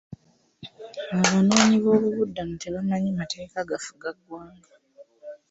Abanoonyi boobubudamu tebamanyi mateeka gafuga ggwanga.